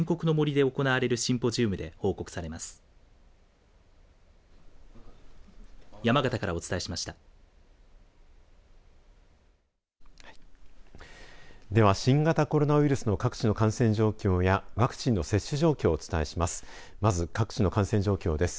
では新型コロナウイルスの各地の感染状況やワクチンの接種状況をお伝えします。